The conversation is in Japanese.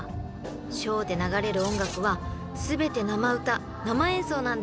［ショーで流れる音楽は全て生歌生演奏なんですって］